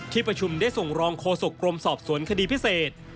ประชุมได้ส่งรองโฆษกรมสอบสวนคดีพิเศษ